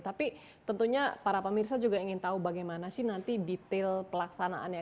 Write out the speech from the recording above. tapi tentunya para pemirsa juga ingin tahu bagaimana sih nanti detail pelaksanaannya